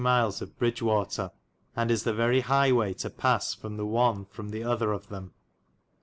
miles of Bridgewatar, and is the very highe way to passe from the one from * the othar of them.